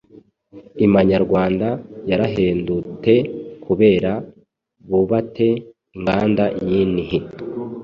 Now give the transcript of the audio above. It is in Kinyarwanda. imanyarwanda yarahendute kubera bubate inganda nyinhi